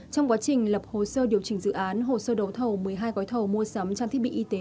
trong quá trình lập hồ sơ điều chỉnh dự án hồ sơ đấu thầu một mươi hai gói thầu mua sắm trang thiết bị y tế